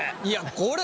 これ！